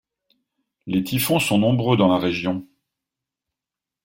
Les typhons sont nombreux dans la région.